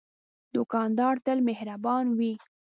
دوکاندار تل مهربان وي.